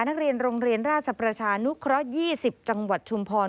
นักเรียนโรงเรียนราชประชานุเคราะห์๒๐จังหวัดชุมพร